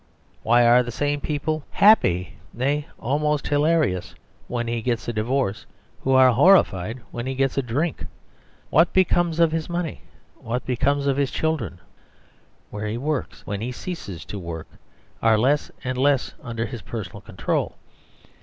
Why are the same people happy, nay almost hilarious, when he gets a divorce, who are horrified when he gets a drink? What becomes of his money, what becomes of his children, where he works, when he ceases to work, are less and less under his personal control.